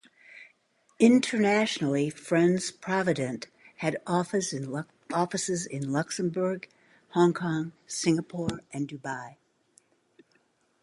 Internationally Friends Provident had offices in Luxembourg, Hong Kong, Singapore and Dubai.